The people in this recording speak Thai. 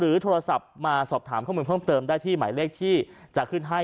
โทรศัพท์มาสอบถามข้อมูลเพิ่มเติมได้ที่หมายเลขที่จะขึ้นให้